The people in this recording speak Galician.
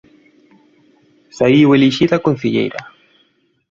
Saíu elixida concelleira.